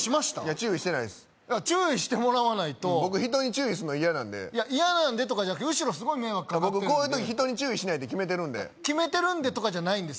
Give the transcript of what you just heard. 注意してないです注意してもらわないと僕人に注意するの嫌なんでいや「嫌なんで」とかじゃなくて後ろすごい迷惑かかってる僕こういう時人に注意しないって決めてるんで決めてるんでとかじゃないんです